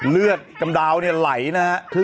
เลือดกำดาวเนี่ยไหลนะฮะ